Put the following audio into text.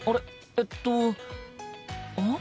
えっとうん？